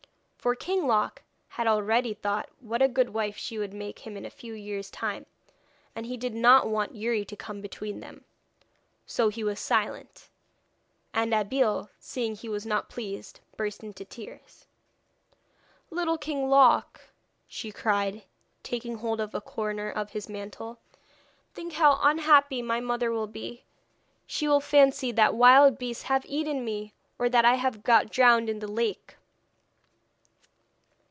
For King Loc had already thought what a good wife she would make him in a few years' time, and he did not want Youri to come between them. So he was silent, and Abeille, seeing he was not pleased, burst into tears. 'Little King Loc,' she cried, taking hold of a corner of his mantle, 'think how unhappy my mother will be. She will fancy that wild beasts have eaten me, or that I have got drowned in the lake.'